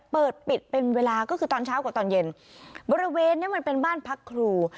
เปิดปิดเป็นเวลาก็คือตอนเช้ากับตอนเย็นบริเวณเนี้ยมันเป็นบ้านพักครู